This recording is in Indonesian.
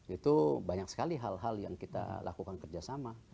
itu banyak sekali hal hal yang kita lakukan kerjasama